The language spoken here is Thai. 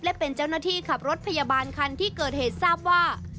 และเป็นเจ้าหน้าที่ขับรถพยาบาลคันที่เกิดเหตุทราบว่า